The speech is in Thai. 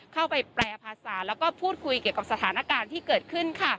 เข้าไปแปลภาษาแล้วก็พูดคุยเกี่ยวกับสถานการณ์ที่เกิดขึ้น